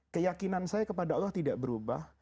keyakinan saya kepada allah tidak berubah